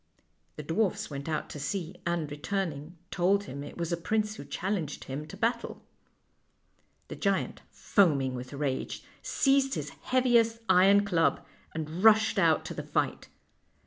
" The dwarfs went out to see, and, returning, told him it was a prince who challenged him to battle. The giant, foaming with rage, seized his heaviest iron club, and rushed out to the fight.